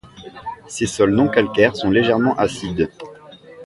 Ces sols non calcaires sont légèrement acides.